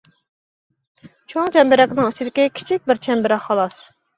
چوڭ چەمبىرەكنىڭ ئىچىدىكى كىچىك بىر چەمبىرەك خالاس.